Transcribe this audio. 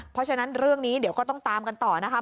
เพราะฉะนั้นเรื่องนี้เดี๋ยวก็ต้องตามกันต่อนะคะ